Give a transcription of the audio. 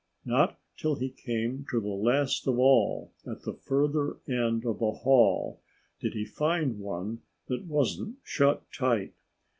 Not till he came to the last of all, at the further end of the hall, did he find one that wasn't shut tight.